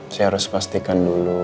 saya harus pastikan dulu